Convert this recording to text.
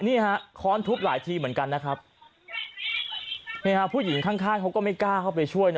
นี่ฮะค้อนทุบหลายทีเหมือนกันนะครับนี่ฮะผู้หญิงข้างข้างเขาก็ไม่กล้าเข้าไปช่วยนะ